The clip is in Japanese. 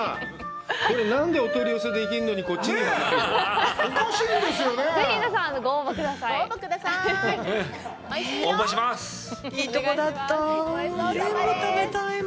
これさ、何でお取り寄せできるのにこっちにはないの？